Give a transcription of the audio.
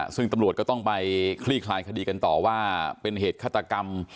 ซึ่งตำรวจก็ต้องไปคลี่คลายคดีกันต่อว่าเป็นเหตุฆาตกรรม